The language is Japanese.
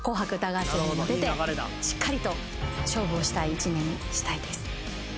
しっかりと勝負をしたい一年にしたいです。